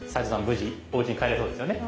無事おうちに帰れそうですよね。